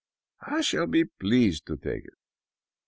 " I shall be pleased to take it.